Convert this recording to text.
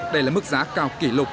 đây là mức giá cao kỷ lục